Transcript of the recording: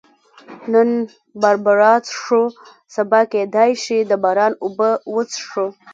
نن باربرا څښو، سبا کېدای شي د باران اوبه وڅښو.